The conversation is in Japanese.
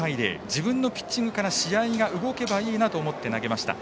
自分のピッチングから試合が動けばいいなと思って投げました。